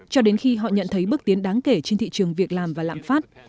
cho đến khi họ nhận thấy bước tiến đáng kể trên thị trường việc làm và lạm phát